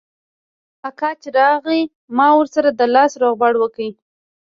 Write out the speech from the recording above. اکا چې راغى ما ورسره د لاس روغبړ وکړ.